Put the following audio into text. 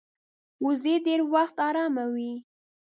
وزې ډېر وخت آرامه وي